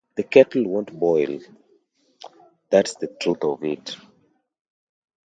The kettle won't boil, that's the truth of it.